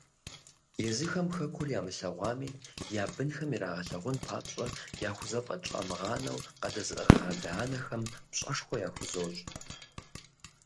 Езыхэм хэкур ямылъэгъуами, я бынхэм ирагъэлъагъун папщӏэ яхузэфӏэкӏ къамыгъанэу къадэзыӏыгъа адэ-анэхэм пщӏэшхуэ яхузощӏ!